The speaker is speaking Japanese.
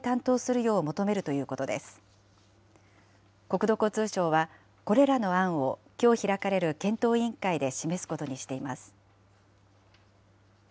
国土交通省は、これらの案をきょう開かれる検討委員会で示すことにしています。